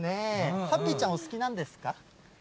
ハッピーちゃん、お好きなんですか？